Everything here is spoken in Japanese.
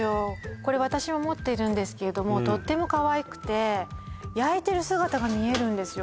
これ私も持っているんですけれどもとってもかわいくて焼いてる姿が見えるんですよ